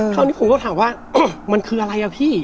คราวนี้ผมก็ถามว่ามันคืออะไรอ่ะพี่